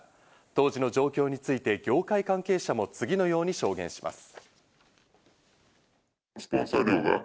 当時の状況について業界関係者も次のように証言します。